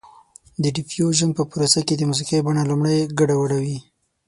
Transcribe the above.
د ډیفیوژن په پروسه کې د موسیقۍ بڼه لومړی ګډه وډه وي